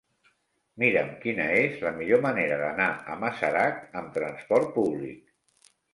Mira'm quina és la millor manera d'anar a Masarac amb trasport públic.